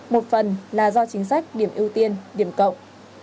một phần là do chính sách điểm ưu tiên điểm cộng